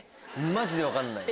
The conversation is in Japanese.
マジで分かんない。